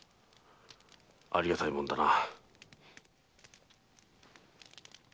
ありがたいもんだな。